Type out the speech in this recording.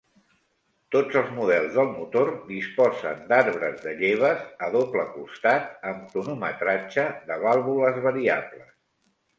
Tots els models del motor disposen d'arbres de lleves a doble costat amb cronometratge de vàlvules variables.